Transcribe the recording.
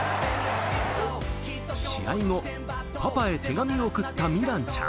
試合後、パパへ手紙を送った美藍ちゃん。